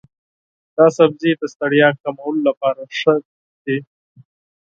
دا سبزی د ستړیا کمولو لپاره ښه دی.